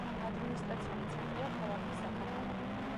ადმინისტრაციული ცენტრია ქალაქი ზაქათალა.